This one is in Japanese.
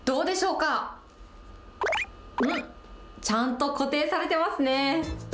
うん、ちゃんと固定されてますね。